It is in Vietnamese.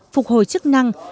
phục hồi chức năng